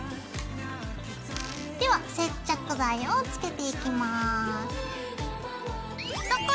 では接着剤をつけていきます。